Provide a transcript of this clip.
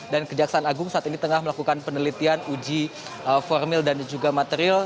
dan kejaksaan agung saat ini tengah melakukan penelitian uji formil dan juga material